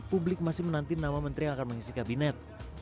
publik masih menanti nama menteri yang akan mengisi kabinet